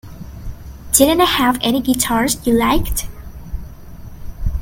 Didn't they have any guitars you liked?